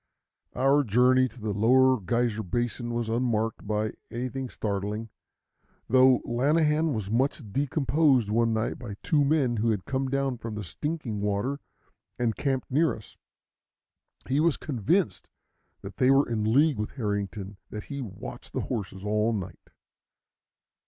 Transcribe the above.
Our journey to the Lower Geyser basin was unmarked by anything startling, though Lanahan was much discomposed one night by two men who had come down from the Stinking Water and camped near us. He was so convinced that they were in league with Harrington that he "watched" the horses all night.